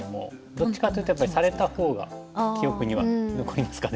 どっちかっていうとやっぱりされたほうが記憶には残りますかね。